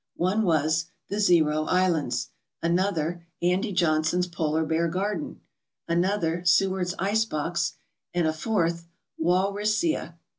One was "The Zero Islands," another "Andy Johnson's Polar Bear Garden," another "Seward's Ice Box/' and a fourth "Walrus sia."